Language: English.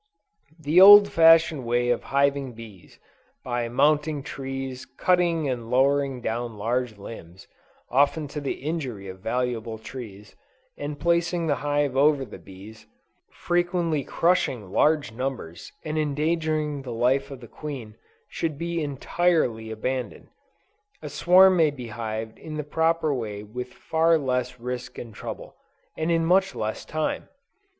The old fashioned way of hiving bees, by mounting trees, cutting and lowering down large limbs, (often to the injury of valuable trees,) and placing the hive over the bees, frequently crushing large numbers, and endangering the life of the queen, should be entirely abandoned. A swarm may be hived in the proper way with far less risk and trouble, and in much less time.